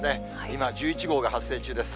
今、１１号が発生中です。